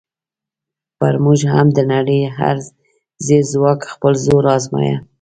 پر موږ هم د نړۍ هر زبرځواک خپل زور ازمایه.